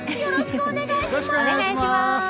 よろしくお願いします！